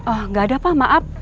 enggak ada pak maaf